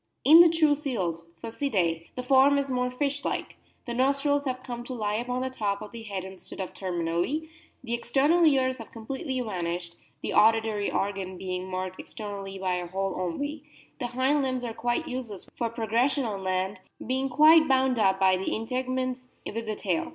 In the true seals (Phocidae) the form is more fish like ; the nostrils have come to lie upon the top of the head instead of terminally ; the external ears have completely vanished, the auditory organ being marked externally by a hole only ; the hind limbs are quite useless for progression on land, being quite bound up by integuments with the tail.